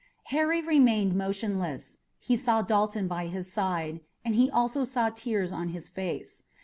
Harry remained motionless. He saw Dalton by his side, and he also saw tears on his face.